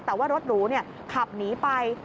แต่ว่ารถหรูขับหนีไป